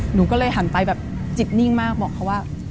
หนูก็เลยหันไปแบบจิตนิ่งมากบอกเขาว่า